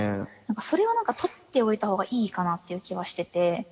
それは取っておいたほうがいいかなっていう気はしてて。